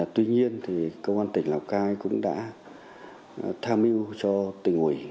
tuy nhiên công an tỉnh lào cai cũng đã tham mưu cho tỉnh ủy